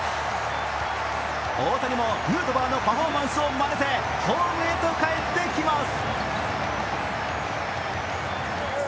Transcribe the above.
大谷もヌートバーのパフォーマンスをまねてホームへと帰ってきます。